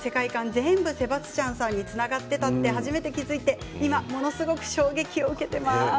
全部セバスチャンさんにつながっていたと気付いて今ものすごく衝撃を受けています。